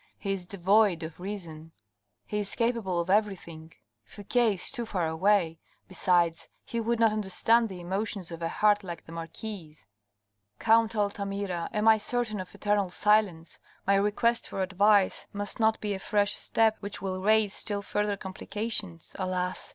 ... He is devoid of reason ; he is capable of everything. Fouque is too far away; besides, he would not understand the emotions of a heart like the marquis's." 448 THE RED AND THE BLACK " Count Altamira ... am I certain of eternal silence ? My request for advice must not be a fresh step which will raise still further complications. Alas